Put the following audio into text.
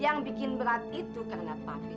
yang bikin berat itu karena pavi